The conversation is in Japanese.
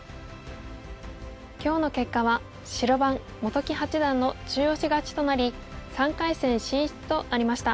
今日の結果は白番本木八段の中押し勝ちとなり３回戦進出となりました。